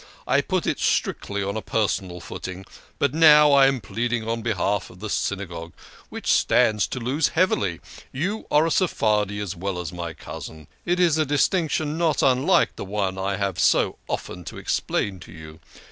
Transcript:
I put it strictly on a personal footing. But now I am pleading on behalf of the Synagogue, which stands to lose heavily. You are a Seph ardi as well as my cousin. It is a distinction not unlike the one I have so often to explain to you.